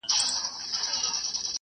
چي زینبه پکښی وراره چي سرتوره درخانۍ ده